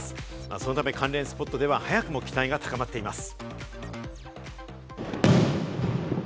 そのため関連スポットでは早くも期待が高まっています。